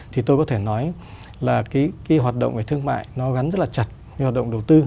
thì tôi có thể nói là cái hoạt động về thương mại nó gắn rất là chặt cái hoạt động đầu tư